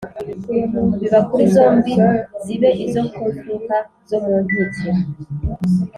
Biba kuri zombi zibe izo ku mpfuruka zo mu nkike